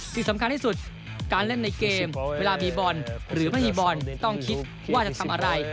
ที่สำคัญที่สุดการเล่นในเกมเวลามีบอลหรือไม่มีบอลต้องคิดว่าจะทำอะไร